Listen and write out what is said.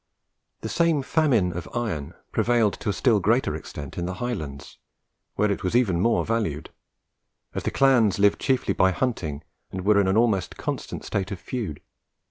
The same famine of iron prevailed to a still greater extent in the Highlands, where it was even more valued, as the clans lived chiefly by hunting, and were in an almost constant state of feud.